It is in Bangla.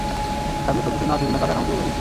সামনে শত্রুসৈন্য আছে কি-না তা জানা অতীব জরুরী ছিল।